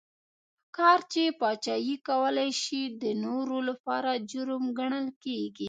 ښکار چې پاچا یې کولای شي د نورو لپاره جرم ګڼل کېږي.